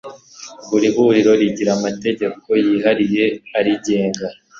Buri huriro rigira amategeko yihariye arigenga